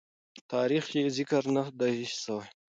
تاریخ یې ذکر نه دی سوی.